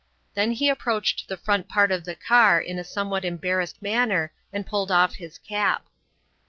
Then he approached the front part of the car in a somewhat embarrassed manner and pulled off his cap.